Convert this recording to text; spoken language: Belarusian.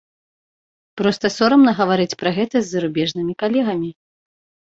Проста сорамна гаварыць пра гэта з зарубежнымі калегамі.